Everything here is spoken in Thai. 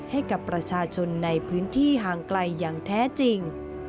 ให้กับประชาชนในพื้นที่ห่างไกลอย่างแท้จริง